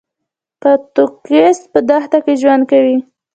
کاکتوس په دښته کې ژوند کوي